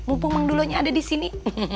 mumpung bang duluhnya ada disini